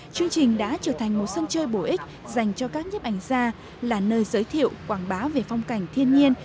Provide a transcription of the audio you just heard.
chương trình đã trở thành một sân chơi bổ ích dành cho các nhếp ảnh gia là nơi giới thiệu quảng bá về phong cảnh thiên nhiên